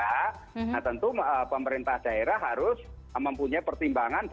nah tentu pemerintah daerah harus mempunyai pertimbangan